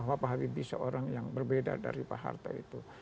bahwa pak habibie seorang yang berbeda dari pak harto itu